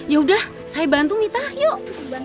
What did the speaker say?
yaudah saya bantu mita yuk